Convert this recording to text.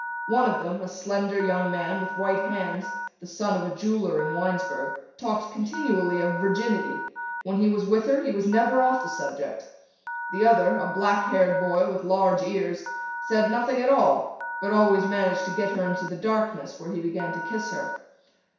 One of them, a slender young man with white hands, the son of a jeweler in Winesburg, talked continually of virginity. When he was with her he was never off the subject. The other, a black haired boy with large ears, said nothing at all but always managed to get her into the darkness, where he began to kiss her.